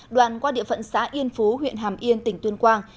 đoạn qua địa phận xã yên phú huyện hàm yên tỉnh tuyên quang